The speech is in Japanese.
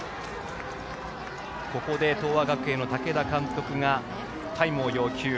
ここで東亜学園の武田監督がタイムを要求。